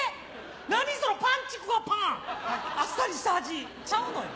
何そのパンちくわパン！あっさりした味ちゃうのよ。